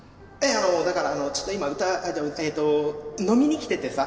あのだからあのちょっと今歌えーっと飲みに来ててさ。